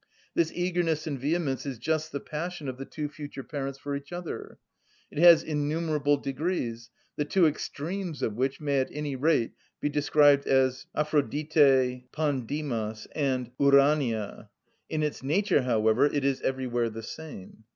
This eagerness and vehemence is just the passion of the two future parents for each other. It has innumerable degrees, the two extremes of which may at any rate be described as Αφροδιτη πανδημος and ουρανια; in its nature, however, it is everywhere the same.